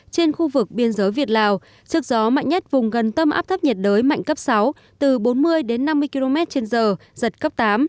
trên khu vực biên giới việt lào sức gió mạnh nhất vùng gần tâm áp thấp nhiệt đới mạnh cấp sáu từ bốn mươi đến năm mươi km trên giờ giật cấp tám